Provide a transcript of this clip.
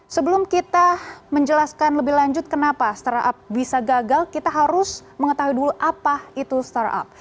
sebelum kita menjelaskan lebih lanjut kenapa startup bisa gagal kita harus mengetahui dulu apa itu startup